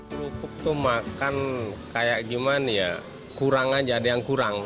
kerupuk tuh makan kayak gimana ya kurang aja ada yang kurang